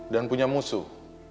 dan punya musuh